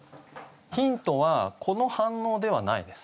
ヒントは子の反応ではないです。